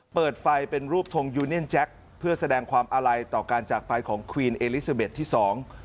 เปิดไฟเป็นรูปทงยูเนียนแจ็คเพื่อแสดงความอาลัยต่อการจากไปของควีนเอลิซาเบ็ดที่สอง